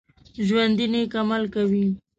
ژوندي نیک عمل کوي